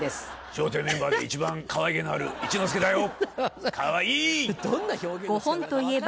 笑点メンバーで一番かわいげのある一之輔だよ。